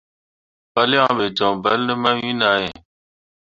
Palyaŋ ɓe joŋ bal ne mawin ahe.